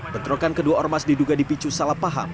bentrokan kedua ormas diduga dipicu salah paham